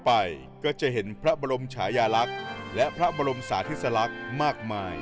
ไปก็จะเห็นพระบรมชายาลักษณ์และพระบรมสาธิสลักษณ์มากมาย